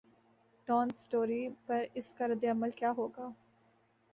Dawn story پر اس کا ردعمل کیا ہو گا؟